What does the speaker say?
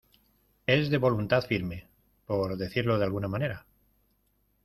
es de voluntad firme. por decirlo de alguna manera .